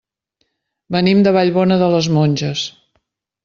Venim de Vallbona de les Monges.